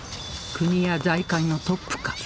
国や財界のトップか？